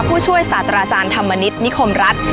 คุณผู้ชมอยู่กับดิฉันใบตองราชนุกูลที่จังหวัดสงคลาค่ะ